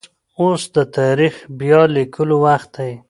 اوس د تاريخ بيا ليکلو وخت دی.